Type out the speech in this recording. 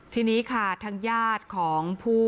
ทีนี้ค่ะทางญาติของผู้